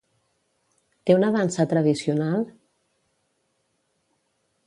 Té una dansa tradicional?